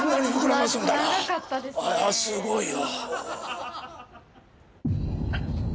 すごいよ！